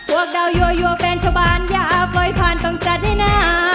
วกดาวยัวแฟนชาวบ้านอยากปล่อยผ่านต้องจัดด้วยนะ